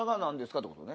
ってことね。